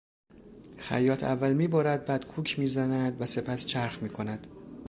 خیاط اول میبرد بعد کوک میزند وسپس چرخ میکند.